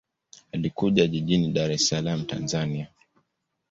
Alikulia jijini Dar es Salaam, Tanzania.